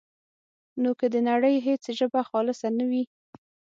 نو که د نړۍ هېڅ ژبه خالصه نه وي،